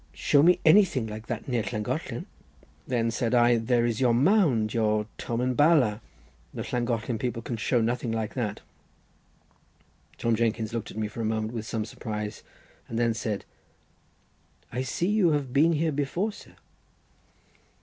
Show me anything like that near Llangollen!" "Then," said I, "there is your mound, your Tomen Bala. The Llangollen people can show nothing like that." Tom Jenkins looked at me for a moment with some surprise, and then said: "I see you have been here before, sir."